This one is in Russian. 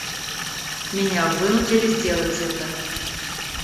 Меня вынудили сделать это.